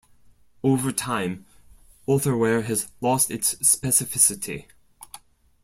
Over time, Authorware has lost its specificity.